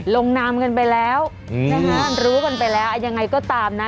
ลงนามกันไปแล้วนะคะรู้กันไปแล้วยังไงก็ตามนะ